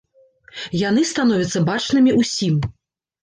Яны становяцца бачнымі ўсім.